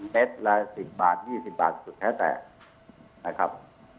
เต็ดละ๑๐บาท๒๐บาทสุดแท้แต่นะครับ